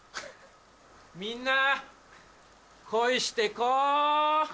みんな恋してこ！